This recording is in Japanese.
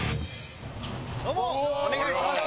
どうもお願いします。